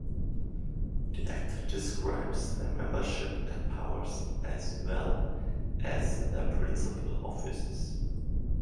The Act describes their membership and powers, as well as their principal officers.